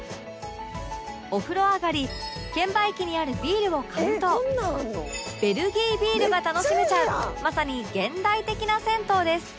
お風呂上がり券売機にあるビールを買うとベルギービールが楽しめちゃうまさに現代的な銭湯です